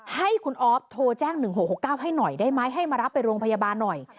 ให้คุณออฟโทรแจ้ง๑๖๖๙ให้หน่อยได้ไหมให้มารับไปโรงพยาบาลหน่อย